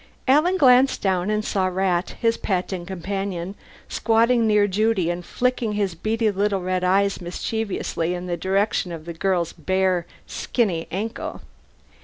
Alan glanced down and saw Rat, his pet and companion, squatting near Judy and flicking his beady little red eyes mischievously in the direction of the girl's bare skinny ankle.